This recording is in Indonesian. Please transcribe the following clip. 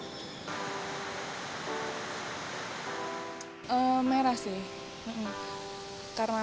kami pun melakukan tes untuk melihat mana yang paling favorit dari segi rasa dan yang memiliki efek menyegarkan